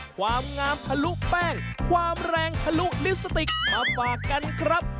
ความงามทะลุแป้งความแรงทะลุลิปสติกมาฝากกันครับ